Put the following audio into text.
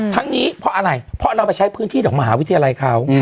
ทั้งนี้เพราะอะไรเพราะเราไปใช้พื้นที่ต่อมหาวิทยาลัยเขา